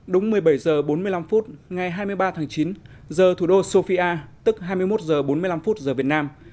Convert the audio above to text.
đúng một mươi bảy h bốn mươi năm phút ngày hai mươi ba tháng chín giờ thủ đô sofia tức hai mươi một h bốn mươi năm giờ việt nam